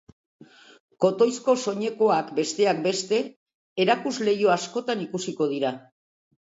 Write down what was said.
Kotoizko soinekoak, besteak beste, erakuslehio askotan ikusiko dira.